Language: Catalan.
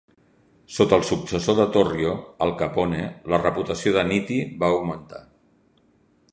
Sota el successor de Torrio, Al Capone, la reputació de Nitti va augmentar.